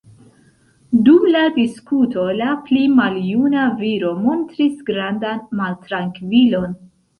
Dum la diskuto la pli maljuna viro montris grandan maltrankvilon.